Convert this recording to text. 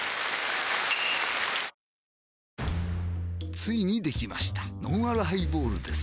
ついにできましたのんあるハイボールです